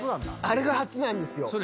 あれが初なんですよ。